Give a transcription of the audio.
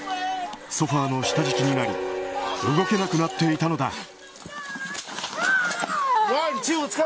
ソファの下敷きになり動けなくなっていたのだ。